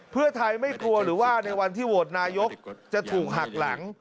เพื่อไทยไม่กลัวหรือว่าในวันที่โหวตนายกจะถูกหักหลัง